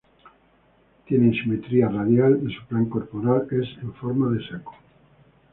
Tienen simetría radial y su plan corporal es en forma de saco.